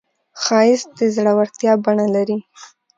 ښایست د زړورتیا بڼه لري